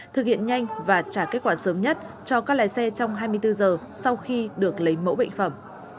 thực hiện nhanh và trả kết quả sớm nhất cho các lái xe trong hai mươi bốn giờ sau khi được lấy mẫu bệnh phẩm